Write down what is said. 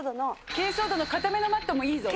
珪藻土の硬めのマットもいいぞ。